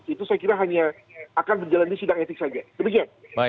itu saya kira hanya akan berjalan di sidang etik saja